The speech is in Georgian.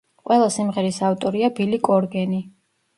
ყველა სიმღერის ავტორია ბილი კორგენი.